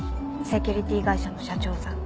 セキュリティー会社の社長さん。